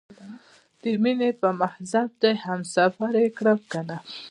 د مینې په مذهب دې هم سفر یې کړم کنه؟